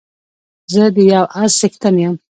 زه د يو اس څښتن يم